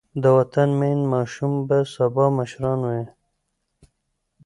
د وطن مین ماشومان به سبا مشران وي.